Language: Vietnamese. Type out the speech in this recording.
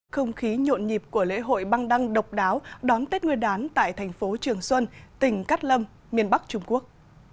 không khí nhộn nhịp của lễ hội băng đăng độc đáo đón tết nguyên đán tại thành phố trường xuân tỉnh cát lâm miền bắc trung quốc